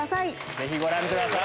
ぜひご覧ください！